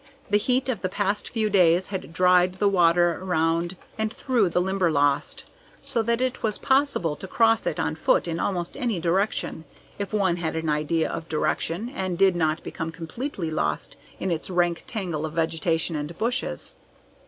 The heat of the past few days had dried the water around and through the Limberlost, so that it was possible to cross it on foot in almost any direction if one had an idea of direction and did not become completely lost in its rank tangle of vegetation and bushes.